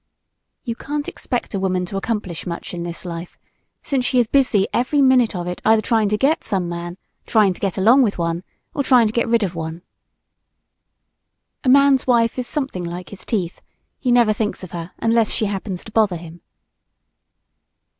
You can't expect a woman to accomplish much in this life, since she is busy every minute of it either trying to get some man, trying to get along with one, or trying to get rid of one. A man's wife is something like his teeth: He never thinks of her unless she happens to bother him.